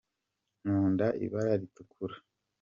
nkunda ibara ritukura